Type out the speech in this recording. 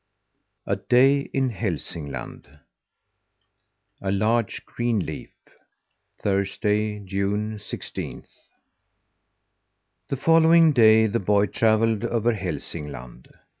A DAY IN HÄLSINGLAND A LARGE GREEN LEAF Thursday, June sixteenth. The following day the boy travelled over Hälsingland.